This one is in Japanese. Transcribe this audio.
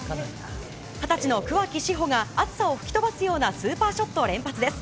二十歳の桑木志帆が暑さを吹き飛ばすようなスーパーショット連発です。